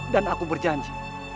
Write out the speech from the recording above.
dan aku berjanji